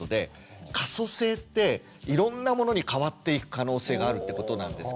可塑性っていろんなものに変わっていく可能性があるってことなんですけど。